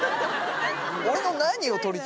俺の何を撮りたいんだよ？